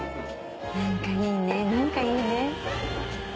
何かいいね何かいいね。